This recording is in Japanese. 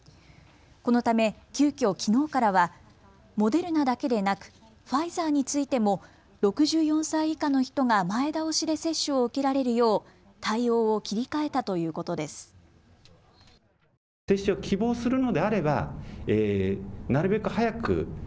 このため急きょ、きのうからはモデルナだけでなくファイザーについても６４歳以下の人が前倒しで接種を受けられるよう対応を切り替えたということです。